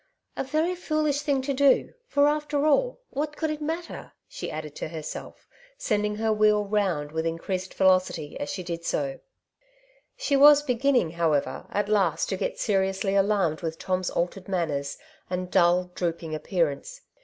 " A very foolish thing to do, for after all what could it matter ?" she added to herself, sending her wheel round with increased velocity as she did so, She was beginning, however, at last to get seriously alarmed with Tom's altered manners, and dull, drooping appearance.